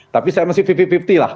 tapi saya masih lima lima puluh lah